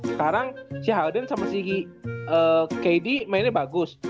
sekarang si harden sama si kd mainnya bagus